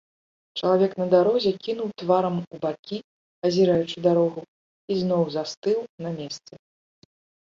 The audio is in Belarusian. Чалавек на дарозе кінуў тварам у бакі, азіраючы дарогу, і зноў застыў на месцы.